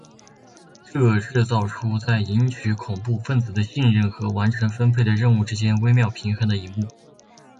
这制造出在赢取恐怖份子的信任和完成分配的任务之间微妙平衡的一幕。